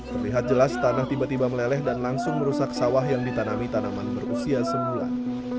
terlihat jelas tanah tiba tiba meleleh dan langsung merusak sawah yang ditanami tanaman berusia sebulan